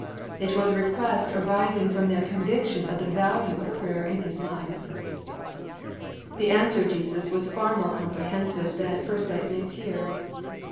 It was a request arising from their conviction of the value of prayer in His life. The answer of Jesus was far more comprehen sive than at first sight may appear.